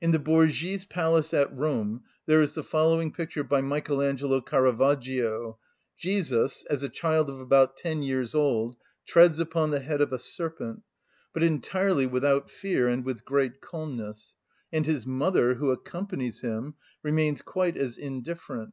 In the Borghese palace at Rome there is the following picture by Michael Angelo Caravaggio: Jesus, as a child of about ten years old, treads upon the head of a serpent, but entirely without fear and with great calmness; and His mother, who accompanies Him, remains quite as indifferent.